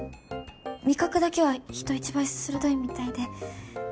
味覚だけは人一倍鋭いみたいで。